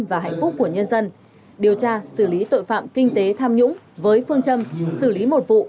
và hạnh phúc của nhân dân điều tra xử lý tội phạm kinh tế tham nhũng với phương châm xử lý một vụ